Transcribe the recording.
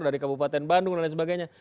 dari kabupaten bandung dan lain sebagainya